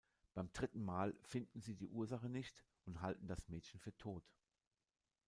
Beim dritten Mal finden sie die Ursache nicht und halten das Mädchen für tot.